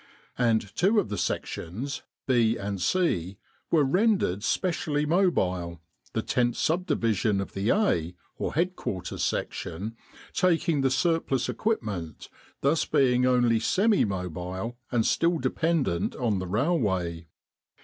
And two of the Sections, B and C, were rendered specially mobile, the Tent Subdivision of the A, or Headquarters' Section, tak ing the surplus equipment, thus being only semi mobile and still dependent on the railway.